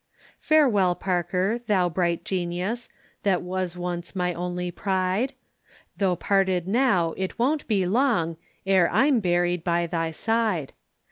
Farewell Parker, thou bright genius, That was once my only pride; Tho' parted now it won't be long E'er I'm buried by thy side.